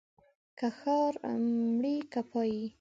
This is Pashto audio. که ښار مرې که پايي.